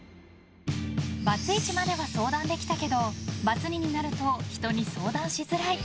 バツイチまでは相談できたけどバツ２になると人に相談しづらい。